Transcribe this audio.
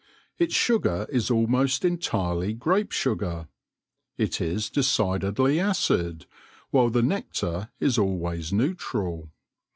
Its sugar is almost entirely grape sugar. It is decidedly acid, while the nectar is always neutral.